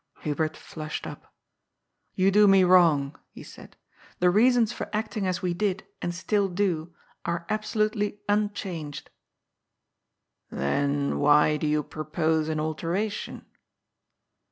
" Hubert flushed up. "You do me wrong," he said. " The reasons for acting as we did, and still do, are ab solutely unchanged." " Then why do you propose an alteration